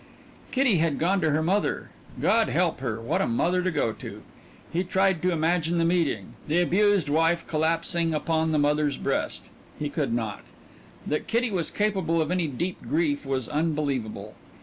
Kitty had gone to her mother. God help her, what a mother to go to! He tried to imagine the meeting: the abused wife collapsing upon the mother's breast. He could not. That Kitty was capable of any deep grief was unbelievable.